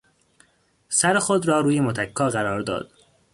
سر خود را روی متکا قرار داد.